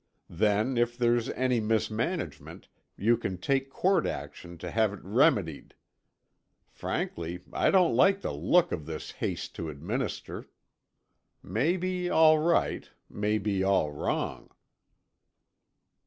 Then if there's any mismanagement, you can take court action to have it remedied. Frankly, I don't like the look of this haste to administer. May be all right; may be all wrong."